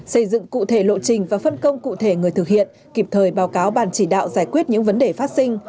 xây dựng cụ thể lộ trình và phân công cụ thể người thực hiện kịp thời báo cáo ban chỉ đạo giải quyết những vấn đề phát sinh